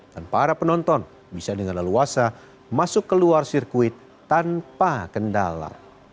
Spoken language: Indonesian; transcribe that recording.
dan para penonton bisa dengan laluasa masuk ke luar sirkuit tanpa kendala